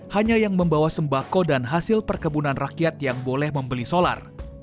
hanya yang membawa sembako dan hasil perkebunan rakyat yang boleh membeli solar